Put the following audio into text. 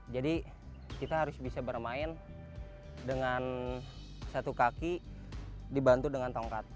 jadi kita harus bisa bermain dengan satu kaki dibantu dengan tongkat